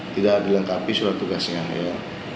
tidak dilengkapi surat tugasnya ya